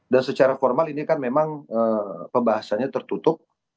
dan secara formal ini kan memang pembahasannya tertutup